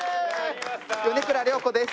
米倉涼子です。